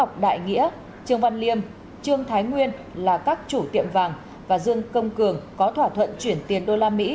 tại nghĩa trường văn liêm trường thái nguyên là các chủ tiệm vàng và dương công cường có thỏa thuận chuyển tiền đô la mỹ